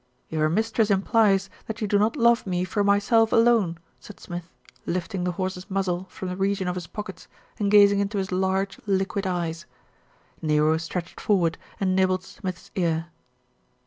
"Your mistress implies that you do not love me for myself alone," said Smith, lifting the horse's muzzle from the region of his pockets, and gazing into his large liquid eyes. Nero stretched forward and nibbled Smith's ear.